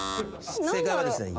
正解はですね。